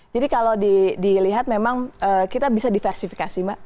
jadi kalau dilihat memang kita bisa diversifikasi mbak